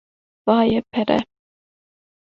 - Vaye pere.